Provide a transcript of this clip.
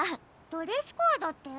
ドレスコードって？